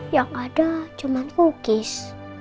yang ada cuma kukis